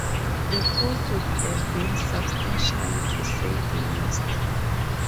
The cost would have been substantial to say the least.